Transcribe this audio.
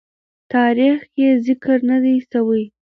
تاریخ یې ذکر نه دی سوی.